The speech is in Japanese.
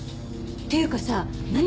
っていうかさ何？